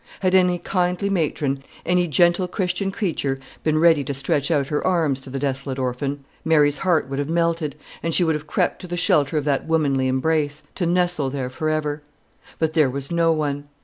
Had any kindly matron, any gentle Christian creature been ready to stretch out her arms to the desolate orphan, Mary's heart would have melted, and she would have crept to the shelter of that womanly embrace, to nestle there for ever. But there was no one.